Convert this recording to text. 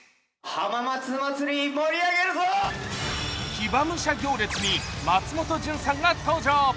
騎馬武者行列に松本潤さんが登場。